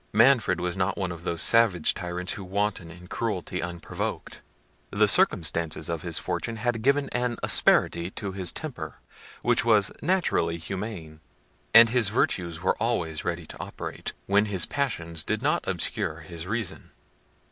Manfred was not one of those savage tyrants who wanton in cruelty unprovoked. The circumstances of his fortune had given an asperity to his temper, which was naturally humane; and his virtues were always ready to operate, when his passions did not obscure his reason.